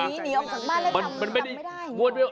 หนีออกจากบ้านแล้วทำไม่ได้